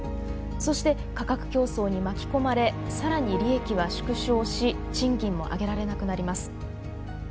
そして価格競争に巻き込まれ更に利益は縮小し賃金も上げられなくなります。